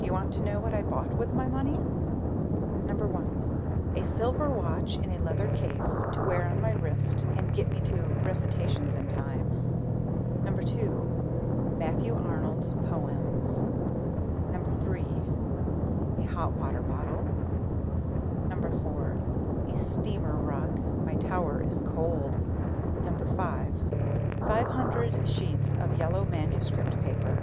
Do you want to know what I bought with my money? I. A silver watch in a leather case to wear on my wrist and get me to recitations in time. II. Matthew Arnold's poems. III. A hot water bottle. IV. A steamer rug. (My tower is cold.) V. Five hundred sheets of yellow manuscript paper.